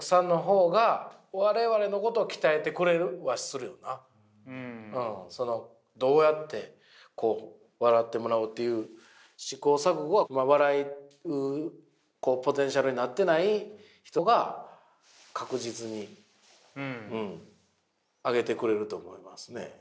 例えば僕らで言うたらどうやって笑ってもらおうという試行錯誤は笑うポテンシャルになってない人が確実に上げてくれると思いますね。